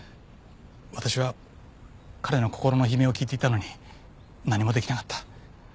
私は彼の心の悲鳴を聞いていたのに何もできなかった。